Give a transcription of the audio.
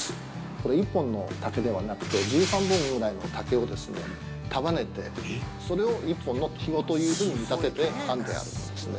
これは１本の竹ではなくて１３本ぐらいの竹を束ねてそれを１本のひごというふうに見立てて編んであるものですね。